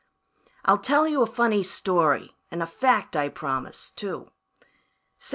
"I'll tell you a funny story, and a fact, I promise, too. Say!